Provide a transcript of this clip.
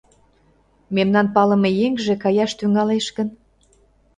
Мемнан палыме еҥже каяш тӱҥалеш гын